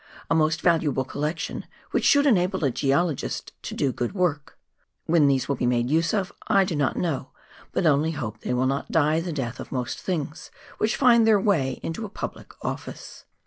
A most valuable collection, which should enable a geologist to do good work. When these will be made use of I do not know, but only hope they will not die the death of most things which find their way into a public ofiice.